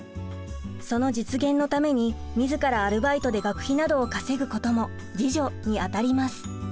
その実現のために自らアルバイトで学費などを稼ぐことも自助にあたります。